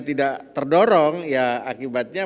tidak terdorong ya akibatnya